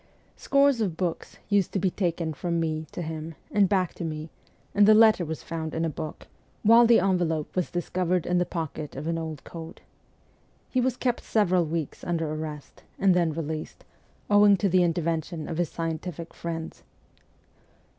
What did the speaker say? Scores of books used to be taken from me to him, and back to me, and the letter was found in a book, while the envelope was discovered in the pocket of an old coat. He was kept several weeks under arrest, and then released, owing to the intervention of his scientific friends.